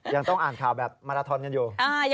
ยังต้องอ่านข่าวแบบมาราทอนกันอยู่